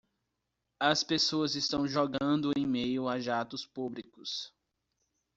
As pessoas estão jogando em meio a jatos públicos.